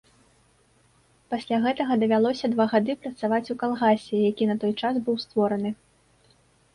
Пасля гэтага давялося два гады працаваць у калгасе, які на той час быў створаны.